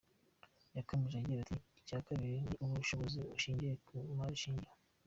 Yakomeje agira ati “Icya kabiri ni ubushobobozi bushingiye ku mari shingiro.